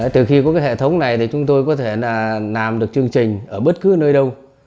từ khi có hệ thống này thì chúng tôi có thể làm được chương trình ở bất cứ nơi đâu